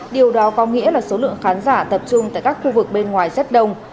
điều đó có nghĩa là số lượng khán giả tập trung tại các khu vực bên ngoài rất đông